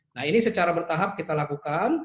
nah ini secara bertahap kita lakukan